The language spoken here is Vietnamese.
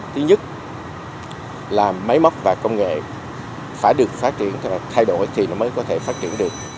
thứ nhất là máy móc và công nghệ phải được phát triển thay đổi thì nó mới có thể phát triển được